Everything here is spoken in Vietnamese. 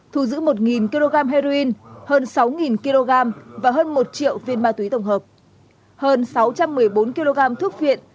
thu giữ một kg heroin hơn sáu kg và hơn một triệu viên ma túy tổng hợp hơn sáu trăm một mươi bốn kg thuốc viện